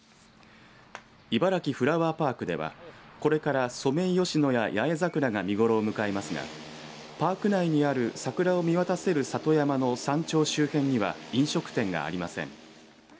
いばらきフラワーパークではこれからソメイヨシノやヤエザクラが見頃を迎えますがパーク内にある桜を見渡せる里山の山頂周辺には飲食店がありません。